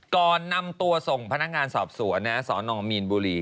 ก่อนนำตัวส่งพนักงานสอบสวนสนมีนบุรี